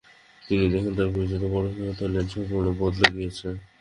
তিনি দেখেন তার পরিচিত বোসপাড়া লেন সম্পূর্ণ বদলে গিয়েছে।